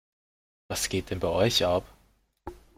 Was geht denn bei euch ab?